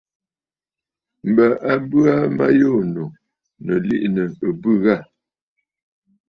M̀bə a bə aa ma yû ànnù, nɨ̀ liꞌìnə̀ ɨ̀bɨ̂ ghâ.